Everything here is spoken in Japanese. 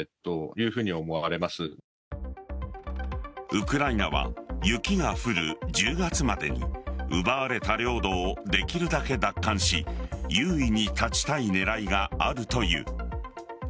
ウクライナは雪が降る１０月までに奪われた領土をできるだけ奪還し優位に立ちたい狙いがあるという。